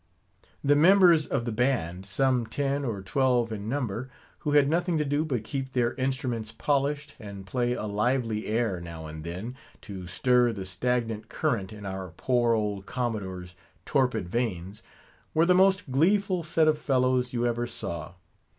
The members of the band, some ten or twelve in number, who had nothing to do but keep their instruments polished, and play a lively air now and then, to stir the stagnant current in our poor old Commodore's torpid veins, were the most gleeful set of fellows you ever saw.